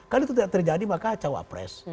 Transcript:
kalau itu tidak terjadi maka cawapres